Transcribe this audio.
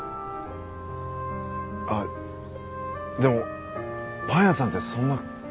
あっでもパン屋さんってそんな簡単に。